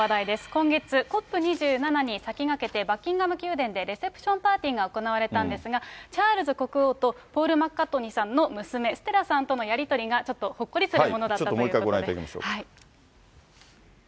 今月、ＣＯＰ２７に先駆けて、バッキンガム宮殿でレセプションパーティーが行われたんですが、チャールズ国王とポール・マッカートニーさんの娘、ステラさんとのやり取りが、ちょっとほっこりするものだったということで。